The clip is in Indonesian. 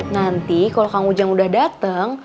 nanti kalau kang ujang udah dateng